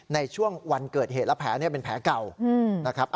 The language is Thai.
ในช่วงวันเกิดเหตุและแผลเป็นแผลเก่านะครับ